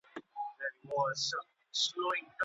د ژوند هدفونه یوازي په ذهني پوهي سره نه سي پوره کېدلای.